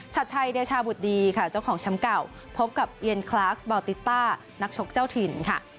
ชัดชัยเดชาบุตรดีค่ะเจ้าของแชมป์เก่าพบกับเอียนคลาสบอลติต้านักชกเจ้าถิ่นค่ะ